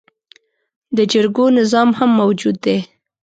د جرګو نظام هم موجود دی